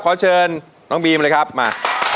ขอเชิญน้องบีมเลยครับมา